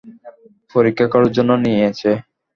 পরীক্ষা করার জন্য নিয়েছে।